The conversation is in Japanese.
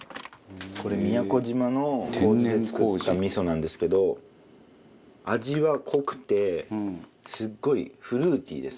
これ宮古島の麹で作った味噌なんですけど味は濃くてすごいフルーティーですね。